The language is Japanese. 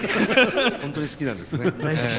本当に好きなんですね。